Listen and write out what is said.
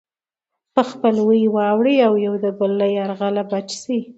په خپلوۍ واوړي او د يو بل له يرغله بچ شي.